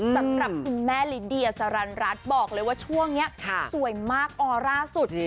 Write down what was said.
สำหรับคุณแม่ลิเดียสรรรัสบอกเลยว่าช่วงนี้สวยมากออร่าสุด